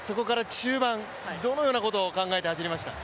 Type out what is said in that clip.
中盤、どのようなことを考えて走りました？